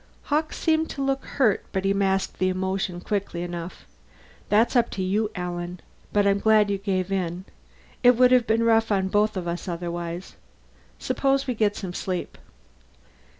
Hawkes seemed to look hurt, but he masked the emotion quickly enough. "That's up to you, Alan. But I'm glad you gave in. It would have been rough on both of us otherwise. Suppose we get some sleep."